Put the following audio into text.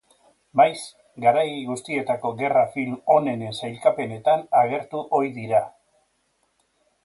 Maiz, garai guztietako gerra film onenen sailkapenetan agertu ohi da.